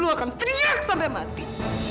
akan teriak sampai mati